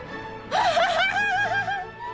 「ハハハハ！」